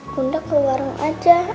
bunda ke warung aja